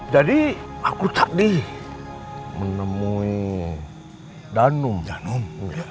jadi aku tak di menemui danum danum